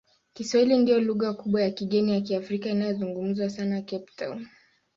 Kiswahili ndiyo lugha kubwa ya kigeni ya Kiafrika inayozungumzwa sana Cape Town.